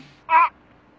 「あっ！」